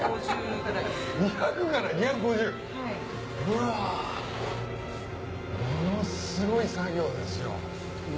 うわものすごい作業ですよ。